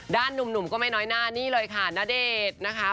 หนุ่มก็ไม่น้อยหน้านี่เลยค่ะณเดชน์นะคะ